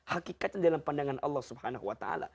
hakikatnya dalam pandangan allah swt